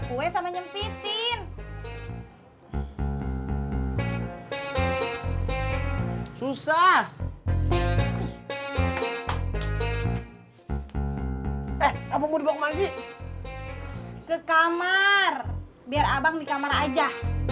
kue sama nyempitin susah eh kamu mau kemana sih ke kamar biar abang di kamar aja